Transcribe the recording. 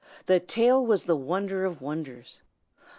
the tail was the wonder of wonders.